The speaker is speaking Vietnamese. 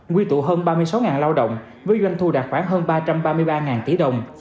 quy tụ hơn ba mươi sáu lao động với doanh thu đạt khoảng hơn ba trăm ba mươi ba tỷ đồng